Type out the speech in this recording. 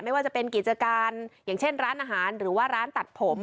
ไม่ว่าจะเป็นกิจการอย่างเช่นร้านอาหารหรือว่าร้านตัดผม